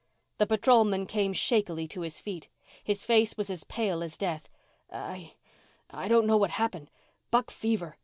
The patrolman came shakily to his feet. His face was as pale as death. "I I don't know what happened. Buck fever.